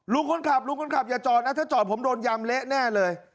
ลุงคนขับลุงคนขับอย่าจอดนะถ้าจอดผมโดนยำเละแน่เลย